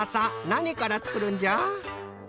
なにからつくるんじゃ？